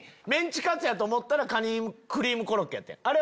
メンチカツやと思ったらカニクリームコロッケやってん。